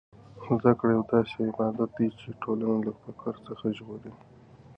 زده کړه یو داسې عبادت دی چې ټولنه له فقر څخه ژغوري.